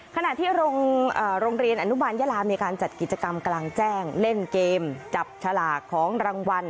ขณะที่โรงเรียนอนุบาลยาลามีการจัดกิจกรรมกลางแจ้งเล่นเกมจับฉลากของรางวัล